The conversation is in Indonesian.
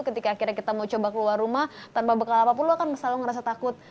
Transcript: ketika akhirnya kita mau coba keluar rumah tanpa bekal apapun lo akan selalu ngerasa takut